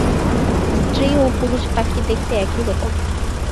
স্ত্রী ও পুরুষ পাখি দেখতে একই রকম।